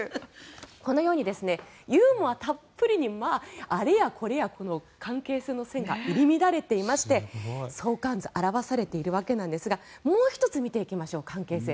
このようにユーモアたっぷりにあれやこれやこの関係性の線が入り乱れていまして相関図表されているわけなんですがもう１つ見てみましょう関係性。